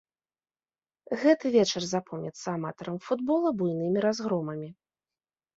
Гэты вечар запомніцца аматарам футбола буйнымі разгромамі.